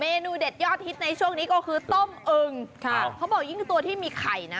เนูเด็ดยอดฮิตในช่วงนี้ก็คือต้มอึงค่ะเขาบอกยิ่งตัวที่มีไข่นะ